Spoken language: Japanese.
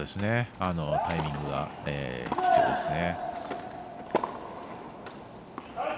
タイミングが必要ですね。